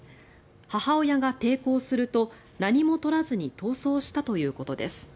母親が抵抗すると何も取らずに逃走したということです。